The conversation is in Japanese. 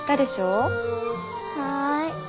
はい。